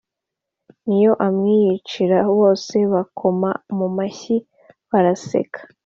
niyo amwiyicira bose bakoma mumashyi baraseka